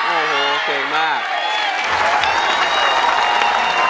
โอ้โหเก่งมาก